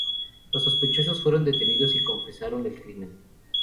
Los sospechosos fueron detenidos, y confesaron el crimen.